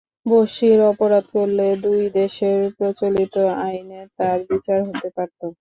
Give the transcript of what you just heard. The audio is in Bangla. বশির অপরাধ করলে দুই দেশের প্রচলিত আইনে তাঁর বিচার হতে পারত।